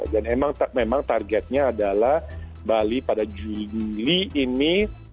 dan memang targetnya adalah bali pada juli ini